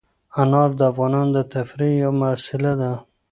انار د افغانانو د تفریح یوه وسیله ده.